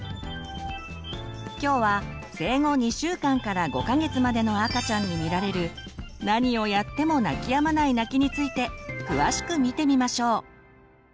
今日は生後２週間から５か月までの赤ちゃんに見られる何をやっても泣きやまない泣きについて詳しく見てみましょう。